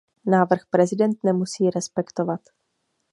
Návrh prezident nemusí respektovat.